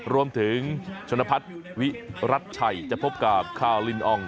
รวมถึงชนพัฒน์วิรัติชัยจะพบกับคาวลินออง